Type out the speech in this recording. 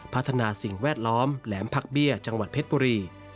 พัฒนาสิ่งแวดล้อมแหลมพักเบี้ยจังหวัดเพชรบุรี